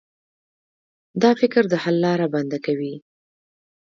دا فکر د حل لاره بنده کوي.